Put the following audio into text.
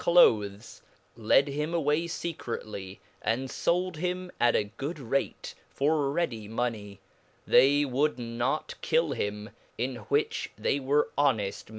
cloathes, number of led him away fecretly, and fold him at a good rate for ready \v^l ^^^' money ; they would not kill him, in vvhich they were honeii